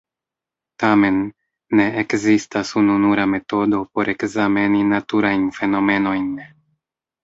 Tamen, ne ekzistas ununura metodo por ekzameni naturajn fenomenojn.